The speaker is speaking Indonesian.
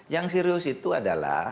yang serius itu adalah